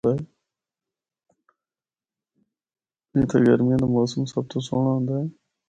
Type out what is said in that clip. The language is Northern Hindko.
اِتھا گرمیاں دا موسم سب تو سہنڑا ہوندا اے۔